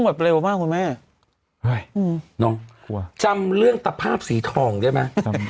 แบบนี้มากคุณแม่อ่าห่อน้องกลัวจำเรื่องตะภาพสีทองได้ไหม